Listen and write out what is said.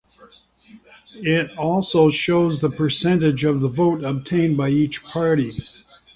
It also shows the percentage of the vote obtained by each party.